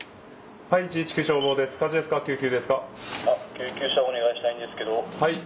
☎救急車をお願いしたいんですけど。